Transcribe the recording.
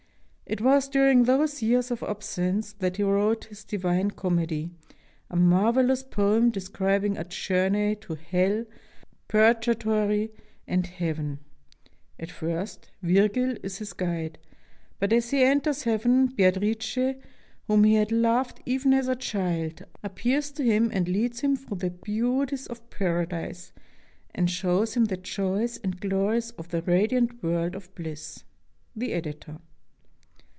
It was during those years of absence that he wrote his "Divine Comedy," a marvelous poem describing a journey to hell, purgatory, and heaven. At first, Virgil is his guide; but as he enters heaven, Beatrice, whom he had loved even as a child, ap pears to him and leads him through the beauties of Paradise, and shows him the joys and glories of the radiant world of bliss. The Editor.